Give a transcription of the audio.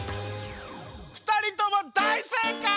ふたりともだいせいかい！